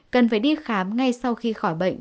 cần phải đi khám ngay sau khi khỏi bệnh